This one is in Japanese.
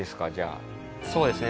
そうですね。